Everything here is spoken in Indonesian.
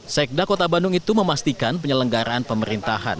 sekda kota bandung itu memastikan penyelenggaraan pemerintahan